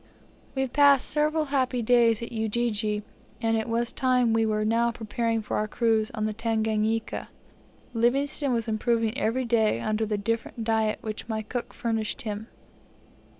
We passed several happy days at Ujiji, and it was time we were now preparing for our cruise on the Tanganika. Livingstone was improving every day under the different diet which my cook furnished him.